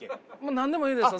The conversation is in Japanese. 何でもいいですよ。